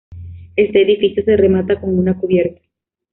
Este edificio se remata con una cubierta.